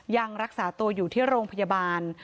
ยังรักษาตัวอยู่ที่โรงพยาบาล